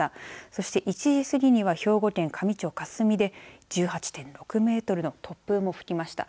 そして１時過ぎには兵庫県香美町香住で１８．６メートルの突風も吹きました。